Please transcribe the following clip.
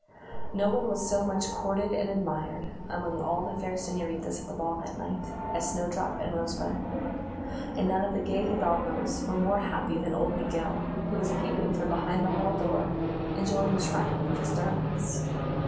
No one was so much courted and admired, among all the fair señoritas at the ball that night, as Snowdrop and Rosebud; and none of the gay hidalgoes were more happy than old Miguel, who was peeping from behind the hall door, enjoying the triumph of his darlings.